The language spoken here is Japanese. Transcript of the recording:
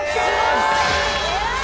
すごい！